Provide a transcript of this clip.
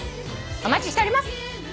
お待ちしております。